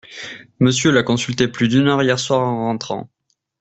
Monsieur l’a consulté plus d’une heure hier soir en rentrant.